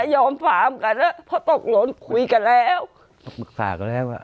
ยอมฝามกันนะเพราะตกลงคุยกันแล้วฝากกันแล้วอ่ะ